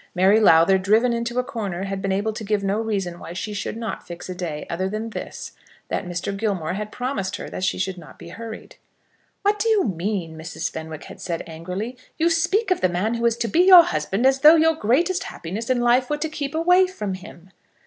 Mary Lowther, driven into a corner, had been able to give no reason why she should not fix a day, other than this, that Mr. Gilmore had promised her that she should not be hurried. "What do you mean?" Mrs. Fenwick had said, angrily. "You speak of the man who is to be your husband as though your greatest happiness in life were to keep away from him."